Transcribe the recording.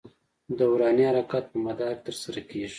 دوراني حرکت په مدار کې تر سره کېږي.